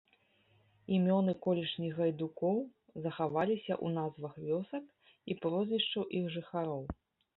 Імёны колішніх гайдукоў захаваліся ў назвах вёсак і прозвішчаў іх жыхароў.